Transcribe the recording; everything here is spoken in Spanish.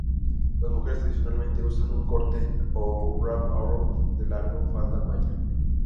Las mujeres tradicionalmente usan un corte o wrap-around de largo, falda maya.